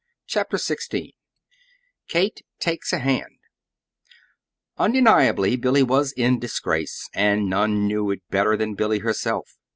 CHAPTER XVI KATE TAKES A HAND Undeniably Billy was in disgrace, and none knew it better than Billy herself.